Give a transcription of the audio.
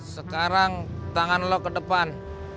sekarang tangan lo ke depan